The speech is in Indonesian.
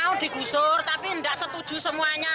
mau digusur tapi tidak setuju semuanya